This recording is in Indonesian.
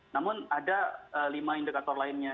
namun ada lima indikator lainnya